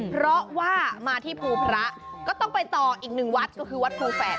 เพราะว่ามาที่ภูพระก็ต้องไปต่ออีกหนึ่งวัดก็คือวัดภูแฝด